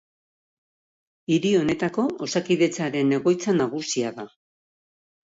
Hiri honetako Osakidetzaren egoitza nagusia da.